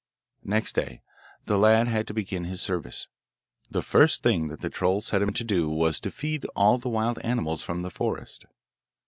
Next day the lad had to begin his service. The first thing that the troll set him to was to feed all the wild animals from the forest.